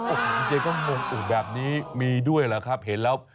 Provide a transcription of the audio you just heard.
อืมโอ้โหเจมส์ก็งงแบบนี้มีด้วยแหละครับเห็นแล้ว